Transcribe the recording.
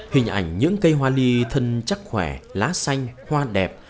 hình ảnh những cây hoa ly thân chắc khỏe lá xanh hoa đẹp